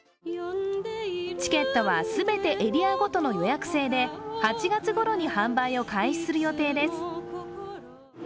チケットは全てエリアごとの予約制で、８月ごろに販売を開始する予定です